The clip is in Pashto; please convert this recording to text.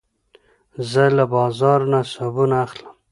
زه له بازار نه صابون اخلم.